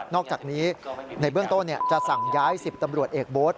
อกจากนี้ในเบื้องต้นจะสั่งย้าย๑๐ตำรวจเอกโบ๊ท